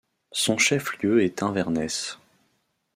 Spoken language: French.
Son chef-lieu est Inverness.